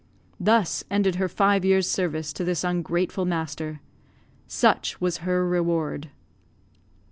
Thus ended her five years' service to this ungrateful master. Such was her reward!